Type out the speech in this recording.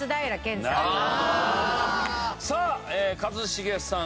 さあ一茂さん。